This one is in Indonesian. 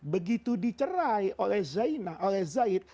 begitu dicerai oleh zainab